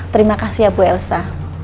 terima kasih ya bu elsa